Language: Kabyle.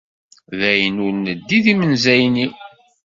D ayen ur neddi d yimenzayen-iw.